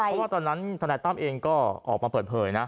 เพราะว่าตอนนั้นธนายตั้มเองก็ออกมาเปิดเผยนะ